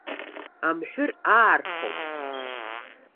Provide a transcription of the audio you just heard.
Амҳәыр раархоуп.